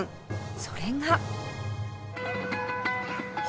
それが。